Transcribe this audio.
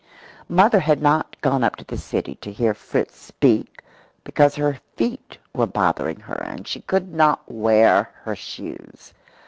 Mother had not gone up to the city to hear Fritz "speak" because her feet were bothering her, and she could not wear her shoes.